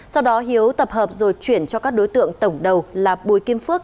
sau đó hiếu tập hợp rồi chuyển cho các đối tượng tổng đầu là bùi kim phước